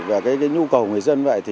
và nhu cầu người dân vậy